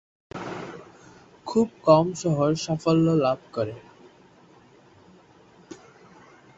খুব কম শহর সাফল্য লাভ করে।